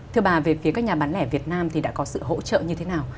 thưa bà về phía các nhà bán lẻ việt nam thì đã có sự hỗ trợ như thế nào